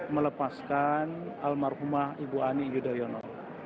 melepaskan almarhumah ibu ani yudhoyono